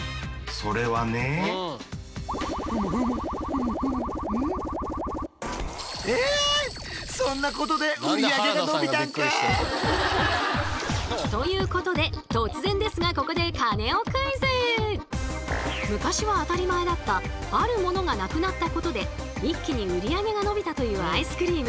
それはね何で原田さんがびっくりしてんだよ。ということで突然ですがここで昔は当たり前だったあるモノがなくなったことで一気に売り上げが伸びたというアイスクリーム！